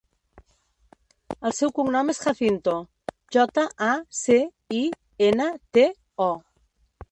El seu cognom és Jacinto: jota, a, ce, i, ena, te, o.